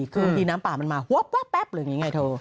คือที่น้ำป่ามันมาว๊อบว๊อบแป๊บอะไรแบบนี้ไงเถอะ